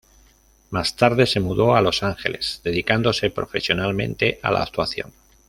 Más tarde se mudó a Los Angeles, dedicándose profesionalmente a la actuación.